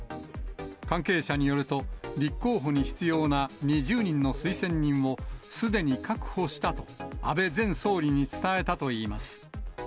関係者によると、立候補に必要な２０人の推薦人をすでに確保したと安倍前総理に伝えたといいます。